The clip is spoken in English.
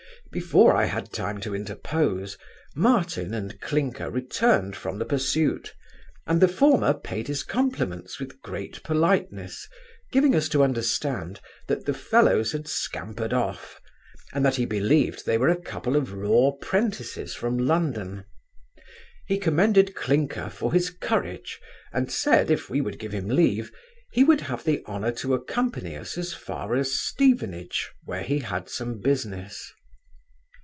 Before I had time to interpose, Martin and Clinker returned from the pursuit, and the former payed his compliments with great politeness, giving us to understand, that the fellows had scampered off, and that he believed they were a couple of raw 'prentices from London. He commended Clinker for his courage, and said, if we would give him leave, he would have the honour to accompany us as far as Stevenage, where he had some business.